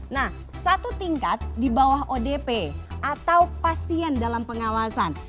nah satu tingkat di bawah odp atau pasien dalam pengawasan